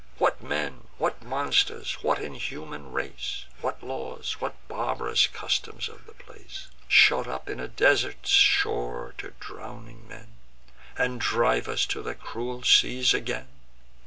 What men, what monsters, what inhuman race, What laws, what barb'rous customs of the place, Shut up a desert shore to drowning men, And drive us to the cruel seas again?